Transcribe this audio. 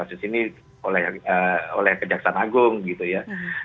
kasus ini oleh kejaksaan agung gitu ya